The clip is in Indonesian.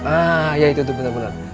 ah ya itu untuk benar benar